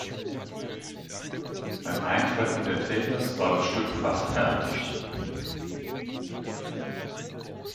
Beim Eintreffen der Taylors war das Stück fast fertig.